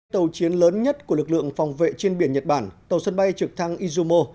tàu chiến lớn nhất của lực lượng phòng vệ trên biển nhật bản tàu sân bay trực thăng izumo